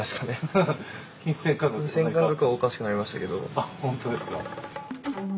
あっ本当ですか。